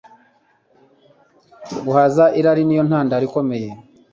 Guhaza irari ni yo ntandaro ikomeye